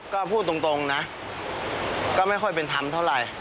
ก็พูดตรงนะก็ไม่ค่อยเป็นธรรมเท่าไหร่